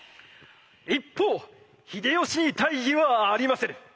一方秀吉に大義はありませぬ。